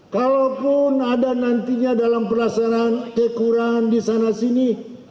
kalaupun ada nantinya dalam perasaan kekurangan di sana sini